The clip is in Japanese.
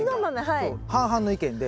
半々の意見で。